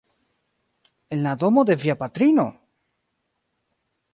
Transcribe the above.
En la domo de via patrino?